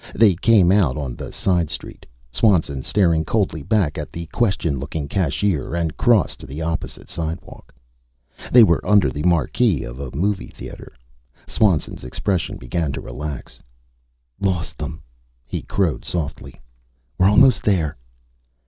They came out on the side street, Swanson staring coldly back at the question looking cashier, and crossed to the opposite sidewalk. They were under the marquee of a movie theater. Swanson's expression began to relax. "Lost them!" he crowed softly. "We're almost there."